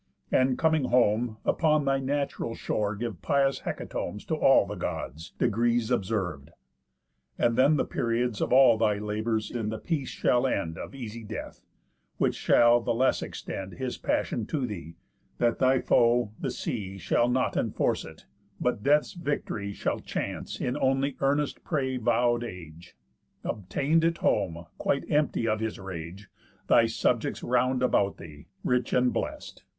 And, coming home, upon thy natural shore, Give pious hecatombs to all the Gods, Degrees observ'd. And then the periods Of all thy labours in the peace shall end Of easy death; which shall the less extend His passion to thee, that thy foe, the Sea, Shall not enforce it, but Death's victory Shall chance in only earnest pray vow'd age, Obtain'd at home, quite emptied of his rage, Thy subjects round about thee, rich and blest.